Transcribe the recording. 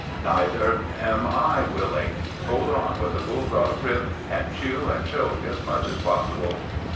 Neither am I willing. Hold on with a bulldog grip, and chew and choke as much as possible.